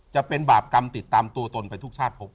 จะเป็นบาปกรรมติดตามตัวตนไปทุกชาติพบ